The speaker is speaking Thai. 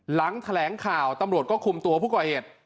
หลังแถลงข่าวตำรวจก็คุมตัวผู้ก่อเหตุ